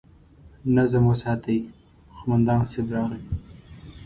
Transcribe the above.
نظم وساتئ! قومندان صيب راغی!